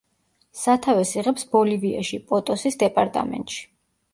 სათავეს იღებს ბოლივიაში, პოტოსის დეპარტამენტში.